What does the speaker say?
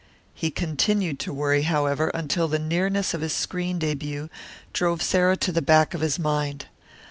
He continued to worry, however, until the nearness of his screen debut drove Sarah to the back of his mind.